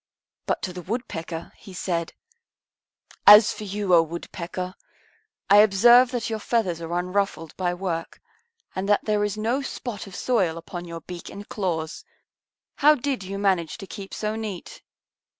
But to the Woodpecker He said, "As for you, O Woodpecker, I observe that your feathers are unruffled by work and that there is no spot of soil upon your beak and claws. How did you manage to keep so neat?"